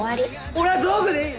俺は道具でいい！